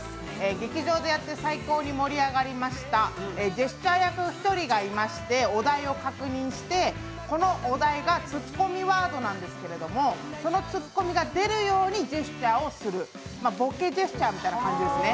劇場でやって、最高に盛り上がりましたジェスチャー役、１人がいましてお題を確認して、このお題がツッコミワードなんですけれども、そのツッコミが出るようにジェスチャーをするボケジェスチャーみたいな感じですね。